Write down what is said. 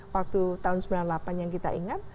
waktu tahun sembilan puluh delapan yang kita ingat